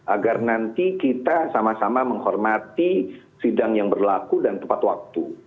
agar nanti kita sama sama menghormati sidang yang berlaku dan tepat waktu